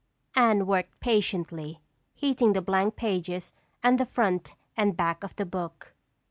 Anne worked patiently, heating the blank pages and the front and back of the book.